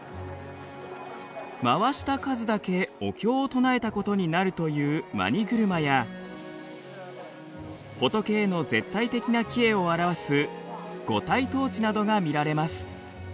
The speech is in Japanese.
回した数だけお経を唱えたことになるというマニ車や仏への絶対的な帰依を表す五体投地などが見られます。